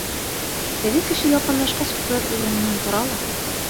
Теге кеше яҡынлашҡас, үҫмер урынынан тора ла: